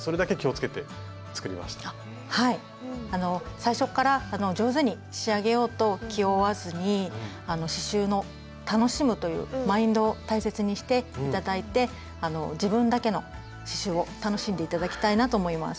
最初っから上手に仕上げようと気負わずに刺しゅうの楽しむというマインドを大切にして頂いて自分だけの刺しゅうを楽しんで頂きたいなと思います。